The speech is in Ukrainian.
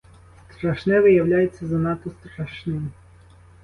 Страшне виявляється занадто страшним.